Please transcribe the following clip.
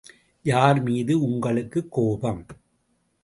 யார்மீது உங்களுக்குக் கோபம்?